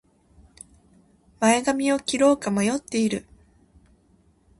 前髪を切ろうか迷っている